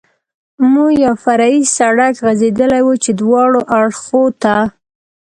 مو یو فرعي سړک غځېدلی و، چې دواړو اړخو ته.